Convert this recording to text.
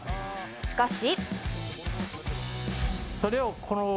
しかし。